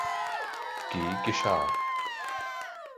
G" geschah.